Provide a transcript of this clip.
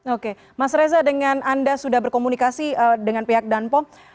oke mas reza dengan anda sudah berkomunikasi dengan pihak danpom